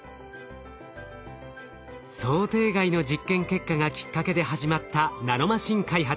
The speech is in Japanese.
想定外の実験結果がきっかけで始まったナノマシン開発。